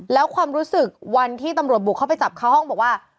แล้วความรู้สึกวันที่ตำรวจบุกเข้าไปจับเข้าห้องบอกว่า